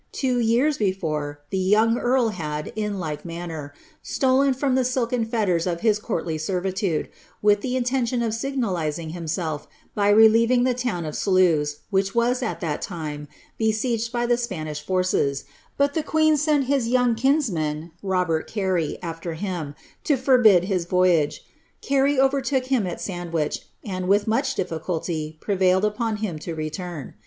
Two years before, le yonng earl had, in like manner, stolen from the silken fetters of his oortly servitude, with the intention of signalizing himself by relieving le town of Sluys, which was, at that time, besieged by the Spanish ffces, but the queen sent his young kinsman, Robert Carey, after him, > forbid his voyage : Carey overtook him at Sandwich, and, with much ifficnlty, prevailed upon him to return.